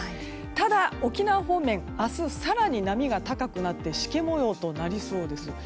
ただ、沖縄方面明日、更に波が高くなってしけ模様となりそうです。